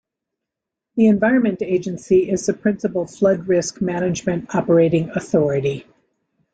The Environment Agency is the principal flood risk management operating authority.